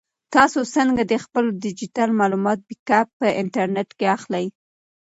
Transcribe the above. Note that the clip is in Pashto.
تاسو څنګه د خپلو ډیجیټل معلوماتو بیک اپ په انټرنیټ کې اخلئ؟